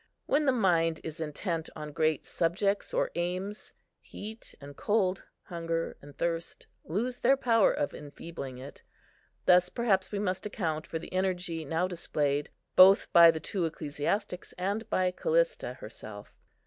When the mind is intent on great subjects or aims, heat and cold, hunger and thirst, lose their power of enfeebling it; thus perhaps we must account for the energy now displayed both by the two ecclesiastics and by Callista herself.